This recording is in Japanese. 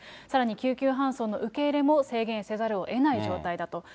さらに、救急搬送の受け入れも制限せざるをえない状態だと。